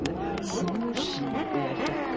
相撲史をやりたくて。